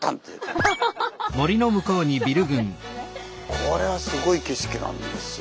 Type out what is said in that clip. これはすごい景色なんですよ。